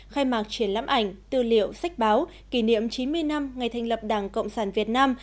khai mạc triển lãm ảnh tư liệu sách báo kỷ niệm chín mươi năm ngày thành lập đảng cộng sản việt nam